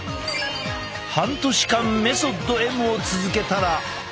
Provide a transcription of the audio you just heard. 半年間メソッドＭを続けたら。